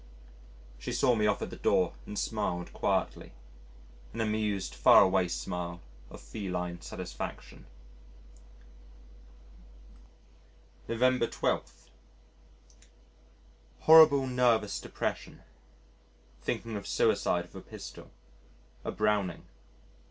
She saw me off at the door and smiled quietly an amused faraway smile of feline satisfaction.... November 12. Horrible nervous depression. Thinking of suicide with a pistol a Browning.